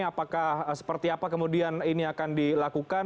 apakah seperti apa kemudian ini akan dilakukan